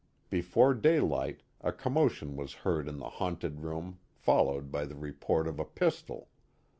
Before daylight a commotion was heard in the haunted room followed by the report of a pistol.